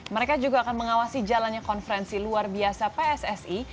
mereka juga akan mengawasi jalannya konferensi luar biasa pssi